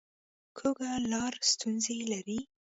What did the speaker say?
کوږه لار ستونزې لري